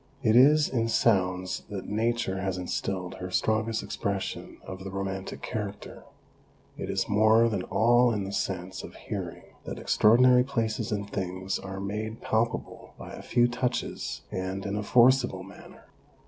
It is in sounds that Nature has instilled her strongest expression of the romantic character ; it is more than all in the sense of hearing that extraordinary places and things are made palpable by a few touches and in a forcible manner.